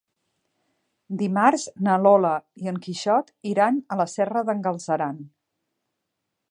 Dimarts na Lola i en Quixot iran a la Serra d'en Galceran.